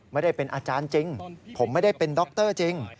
ไม่ได้เป็นอาจารย์จริงผมไม่ได้เป็นดรจริง